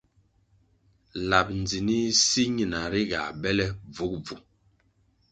Lab ndzinih si ñina ri ga bele bvugubvu.